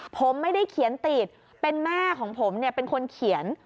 ผมไม่ได้เขียนติดเป็นแม่ของผมเป็นคนเขียน